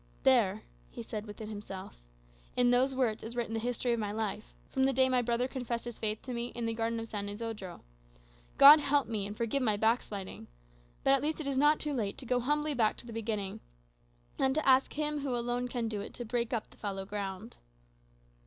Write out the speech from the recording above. There," he said within himself, "in those words is written the history of my life, from the day my brother confessed his faith to me in the garden of San Isodro. God help me, and forgive my backsliding! But at least it is not too late to go humbly back to the beginning, and to ask him who alone can do it to break up the fallow ground."